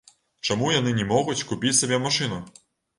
Чаму яны не могуць купіць сабе машыну?